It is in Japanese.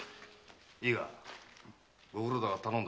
いいかご苦労だが頼んだぜ。